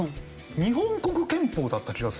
日本国憲法だった気がするんですよ。